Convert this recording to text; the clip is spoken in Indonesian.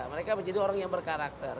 mereka menjadi orang yang berkarakter